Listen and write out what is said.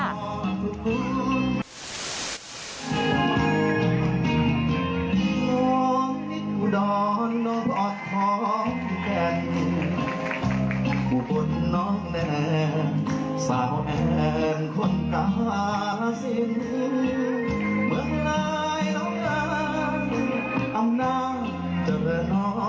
เมื่อไหร่ร้องเกินอำนาจจะเปิดหล่อ